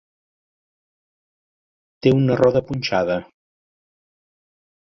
Té una roda punxada.